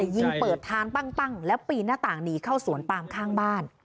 ยิงเปิดทางปั้งแล้วปีนหน้าต่างหนีเข้าสวนปามข้างบ้าน